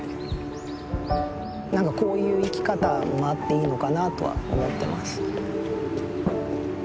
なんかこういう生き方もあっていいのかなとは思ってます。